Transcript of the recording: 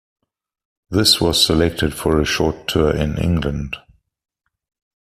This was selected for a short tour in England.